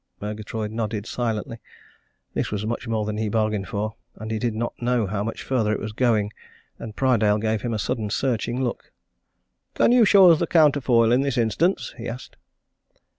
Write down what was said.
Murgatroyd nodded silently this was much more than he bargained for, and he did not know how much further it was going. And Prydale gave him a sudden searching look. "Can you show us the counterfoil in this instance?" he asked.